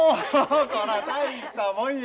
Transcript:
こら大したもんや！